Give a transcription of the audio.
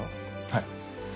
はい。